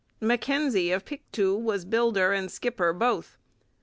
Mackenzie of Pictou was builder and skipper both.